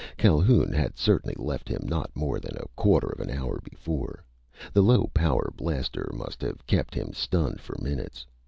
Calhoun had certainly left him not more than a quarter of an hour before. The low power blaster must have kept him stunned for minutes.